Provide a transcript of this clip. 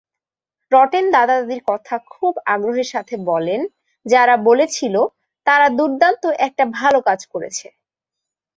Rotten দাদা-দাদীর কথা খুব আগ্রহের সাথে বলেন, যারা বলেছিল, "তারা দুর্দান্ত একটা ভালো কাজ করেছে।"